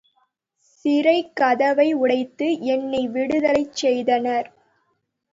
சிறைக் கதவை உடைத்து என்னை விடுதலைசெய்தனர்.